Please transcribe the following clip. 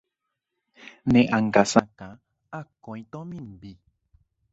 Ne ánga sakã akói tomimbi